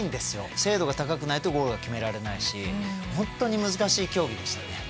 精度が高くないとゴールは決められないしほんとに難しい競技でしたね。